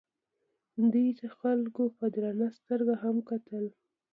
دوی ته خلکو په درنه سترګه هم کتل.